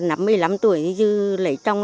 năm một mươi năm tuổi thì lấy chồng